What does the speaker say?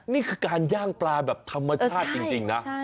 นี่คือการย่างปลาแบบธรรมชาติจริงนะ